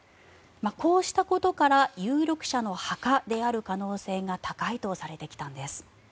こうしたことから有力者の墓である可能性が高いとされてきたんです。